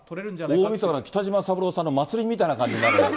大みそかの北島三郎さんの祭りみたいな感じになる。